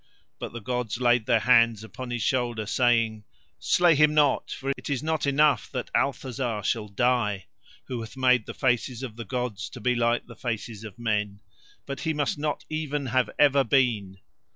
But the gods laid Their hands upon his shoulder saying: "Slay him not, for it is not enough that Althazar shall die, who hath made the faces of the gods to be like the faces of men, but he must not even have ever been."